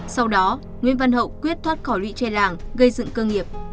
sau đó nguyễn văn hậu quyết thoát khỏi lụy che làng gây dựng cơ nghiệp